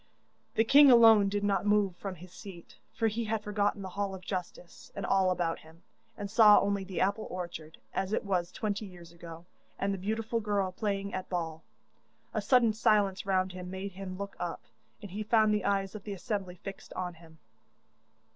The king alone did not move from his seat, for he had forgotten the hall of justice and all about him, and saw only the apple orchard, as it was twenty years ago, and the beautiful girl playing at ball. A sudden silence round him made him look up, and he found the eyes of the assembly fixed on him.